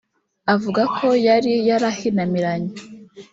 Avuga ko yari yarahinamiramye